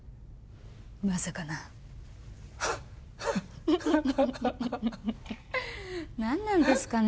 まさかな何なんですかね